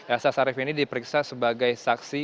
elsa syarif ini diperiksa sebagai saksi